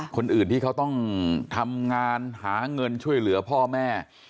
คนอื่นที่เขาต้องทำงานหาเงินช่วยเหลือพ่อแม่